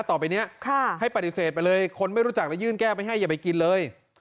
ต่อไปนี้ให้ปฏิเสธไปเลยคนไม่รู้จักแล้วยื่นแก้วไปให้อย่าไปกินเลย